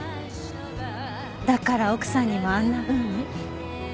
だから奥さんにもあんなふうに？